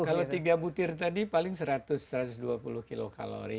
kalau tiga butir tadi paling seratus satu ratus dua puluh kilokalori